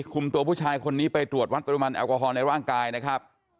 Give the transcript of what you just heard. คุมตัวผู้ชายคนนี้ไปตรวจวัดปริมาณแอลกอฮอลในร่างกายนะครับ